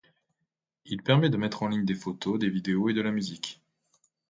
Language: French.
Il permet de mettre en ligne des photos, des vidéos et de la musique.